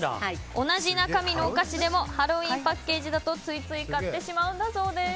同じ中身のお菓子でもハロウィーンパッケージだとついつい買ってしまうんだそうです。